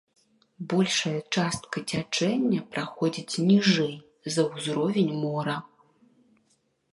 Большая частка цячэння праходзіць ніжэй за ўзровень мора.